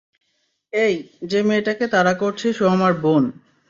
এই, যে মেয়েটাকে তাড়া করছিস ও আমার বোন।